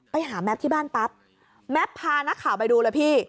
แม็ปที่บ้านปั๊บแม็ปพานักข่าวไปดูเลยพี่